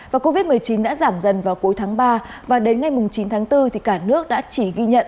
và covid một mươi chín đã giảm dần vào cuối tháng ba và đến ngày chín tháng bốn cả nước đã chỉ ghi nhận